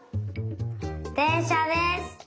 でんしゃです。